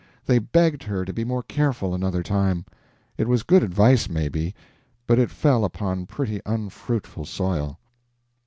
They begged her to be more careful another time. It was good advice, maybe, but it fell upon pretty unfruitful soil.